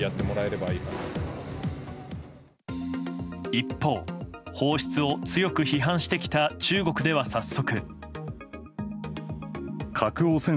一方、放出を強く批判してきた中国では、早速。